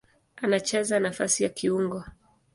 Anacheza nafasi ya kiungo.